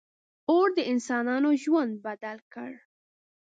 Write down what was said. • اور د انسانانو ژوند بدل کړ.